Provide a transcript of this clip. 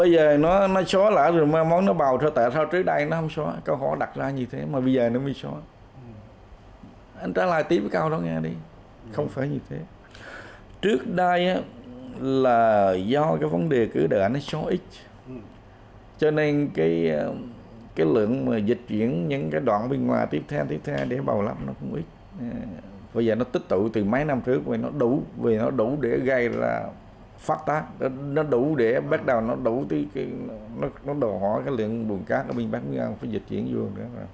gây ra phát tác nó đủ để bắt đầu nó đổ hỏi cái lượng bùn cát nó bị bắt đi ngang phải diệt chuyển vô